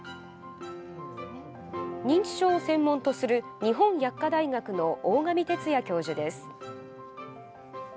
認知症を専門とする日本薬科大学の大上哲也教授です。